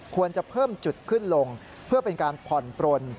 ควรจะเพิ่มจุดขึ้นลงเพื่อเป็นการผ่อนปลน